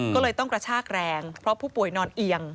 ก็เลยต้องกระชากแรงเพราะผู้ป่วยนอนเอียง